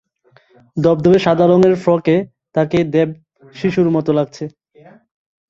ধবধবে সাদা রঙের ফ্রকে তাকে দেবশিশুর মতো লাগছে।